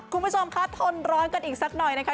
คุณผู้ชมคะทนร้อนกันอีกสักหน่อยนะคะ